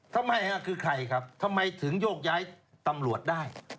ทำไมคือใครครับทำไมถึงโยกย้ายตำรวจได้